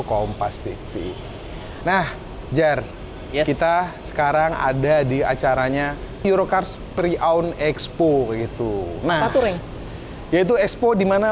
kompas tv nah jar kita sekarang ada di acaranya eurocars pre oun expo itu expo dimana